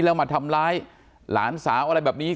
รำร้ายหลานสาวอะไรแบบนี้